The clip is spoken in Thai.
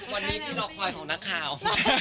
วันนี้ที่หลอกครอยของนักคาว